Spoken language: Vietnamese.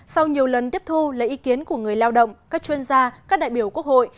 sau nhiều lần tiếp thu lấy ý kiến của người lao động các chuyên gia các đại biểu quốc hội